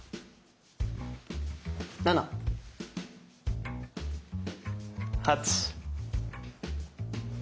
７！８！